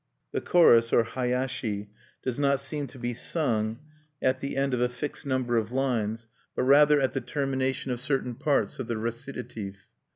The chorus, or hayashi, does not seem to be sung at the end of a fixed number of lines, but rather at the termination of certain parts of the recitative.